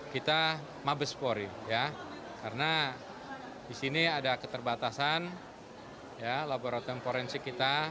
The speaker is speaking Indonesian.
kita mabespori ya karena disini ada keterbatasan ya laboratorium forensik kita